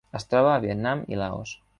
Es troba a Vietnam i Laos.